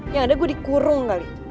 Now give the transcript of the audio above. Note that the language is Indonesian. yang ada gue dikurung kali